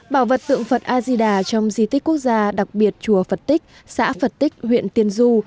bảo vật tượng phật ajida trong di tích quốc gia đặc biệt chùa phật tích xã phật tích huyện tiên du